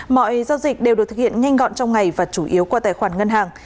mọi giao dịch đều được thực hiện nhanh gọn trong ngày và chủ yếu qua tài khoản ngân hàng